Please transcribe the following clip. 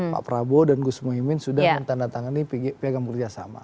pak prabowo dan gus muhyimin sudah menandatangani piagam kerjasama